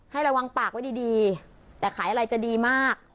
ให้ระวังปากไว้ดีดีแต่ขายอะไรจะดีมาก